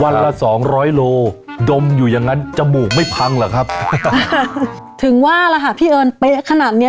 ละสองร้อยโลดมอยู่อย่างนั้นจมูกไม่พังเหรอครับถึงว่าล่ะค่ะพี่เอิญเป๊ะขนาดเนี้ย